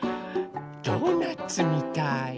ドーナツみたい。